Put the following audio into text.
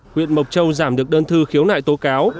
huyện mộc châu giảm được đơn thư khiếu nại tố cáo